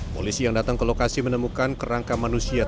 polisi yang datang ke lokasi menemukan kerangka manusia